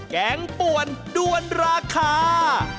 แกงป่วนด้วนราคา